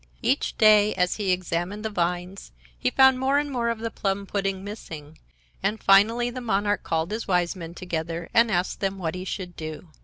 Each day, as he examined the vines, he found more and more of the plum pudding missing, and finally the monarch called his Wise Men together and asked them what he should do.